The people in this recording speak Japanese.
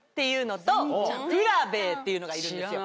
っていうのがいるんですよ。